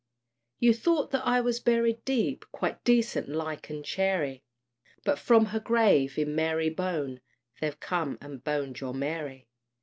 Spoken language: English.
You thought that I was buried deep, Quite decent like and chary, But from her grave in Mary bone, They've come and boned your Mary.